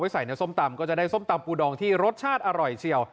ใส่ในส้มตำก็จะได้ส้มตำปูดองที่รสชาติอร่อยเชียว